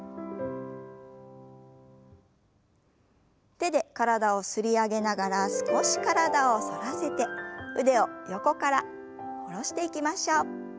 手で体を擦り上げながら少し体を反らせて腕を横から下ろしていきましょう。